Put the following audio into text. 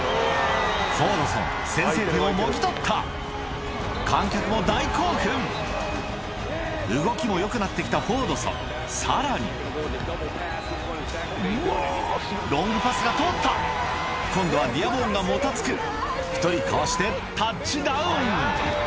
フォードソン先制点をもぎ取った観客も大興奮動きもよくなってきたフォードソンさらにロングパスが通った今度はディアボーンがもたつく１人かわしてタッチダウン！